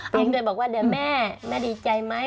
เลยบอกว่าเดี๋ยวแม่แม่ดีใจไหม